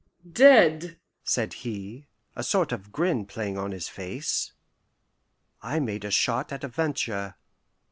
dead!" said he, a sort of grin playing on his face. I made a shot at a venture.